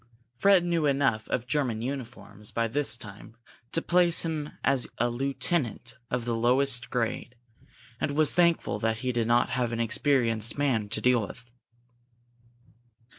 Fred knew enough of German uniforms by this time to place him as a lieutenant of the lowest grade, and was thankful that he did not have an experienced man to deal with.